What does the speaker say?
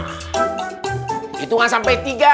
hitungan sampai tiga